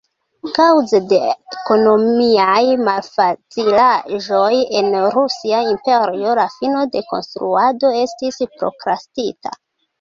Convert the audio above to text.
Kaŭze de ekonomiaj malfacilaĵoj en Rusia Imperio la fino de konstruado estis prokrastita.